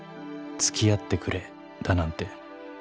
「付き合ってくれだなんて」